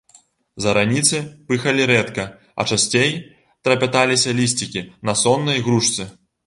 Зараніцы пыхалі рэдка, а часцей трапяталіся лісцікі на соннай грушцы.